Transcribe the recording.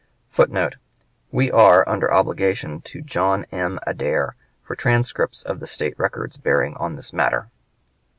[Footnote: We are under obligations to John M. Adair for transcripts of the State records bearing on this matter.